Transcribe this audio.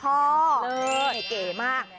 เลิศเก๋มาก